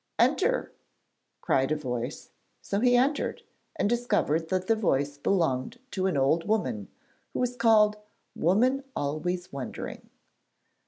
'Enter!' cried a voice, so he entered, and discovered that the voice belonged to an old woman, who was called 'Woman always wondering.'